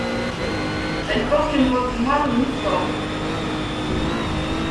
Elle porte une robe noire uniforme.